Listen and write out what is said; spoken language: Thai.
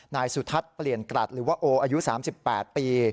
นายสุทัศน์เปลี่ยนกรัฐหรือว่าโออายุ๓๘ปี